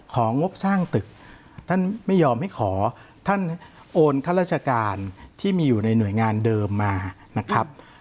งบสร้างตึกท่านไม่ยอมให้ขอท่านโอนข้าราชการที่มีอยู่ในหน่วยงานเดิมมานะครับ